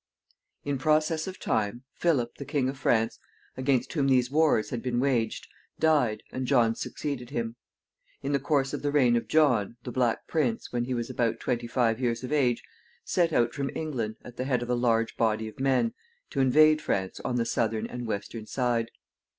In process of time, Philip, the King of France, against whom these wars had been waged, died, and John succeeded him. In the course of the reign of John, the Black Prince, when he was about twenty five years of age, set out from England, at the head of a large body of men, to invade France on the southern and western side.